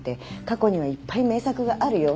過去にはいっぱい名作があるよ。